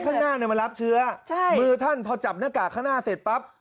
ข้างหน้าเนี่ยมันรับเชื้อมือท่านพอจับหน้ากากข้างหน้าเสร็จปั๊บ